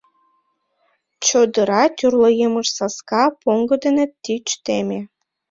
Чодыра тӱрлӧ емыж-саска, поҥго дене тич теме.